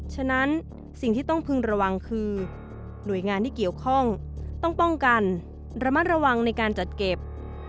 ฉะนั้นสิ่งที่ต้องพึงระวังคือหน่วยงานที่เกี่ยวข้องต้องป้องกันระมัดระวังในการจัดเก็บ